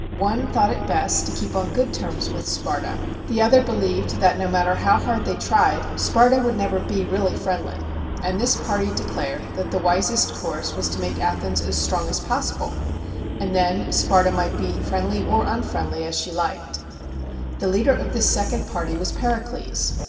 One thought it best to keep on good terms with Sparta; the other believed that, no matter how hard they tried, Sparta would never be really friendly; and this party declared that the wisest course was to make Athens as strong as possible, and then Sparta might be friendly or unfriendly as she liked. The leader of this second party was Pericles.